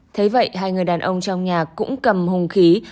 thế vậy hai người đàn ông trong nhà cũng cầm hùng khí